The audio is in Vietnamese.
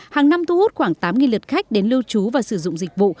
hàng năm thu hút khoảng tám lượt khách đến lưu trú và sử dụng dịch vụ